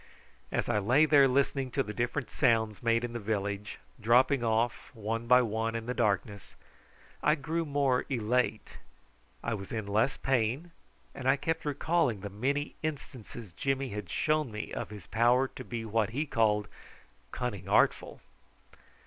As I lay there listening to the different sounds made in the village dropping off one by one in the darkness, I grew more elate. I was in less pain, and I kept recalling the many instances Jimmy had shown me of his power to be what he called "cunning artful."